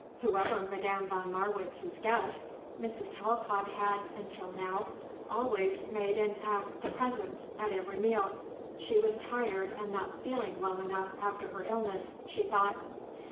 Whoever Madame von Marwitz's guests, Mrs. Talcott had, until now, always made an acte de présence at every meal. She was tired and not feeling well enough after her illness, she thought.